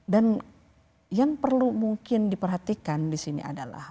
dan yang perlu mungkin diperhatikan disini adalah